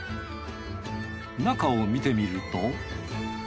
中を見てみると。